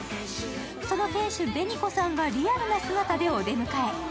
その店主・紅子さんがリアなる姿でお出迎え。